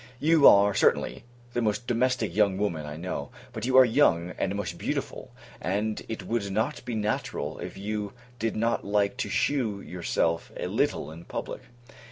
You are, certainly, the most domestic young woman I know: but you are young, and most beautiful; and it would not be natural, if you did not like to shew yourself a little in public.